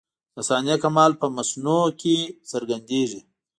د صانع کمال په مصنوعي کي څرګندېږي.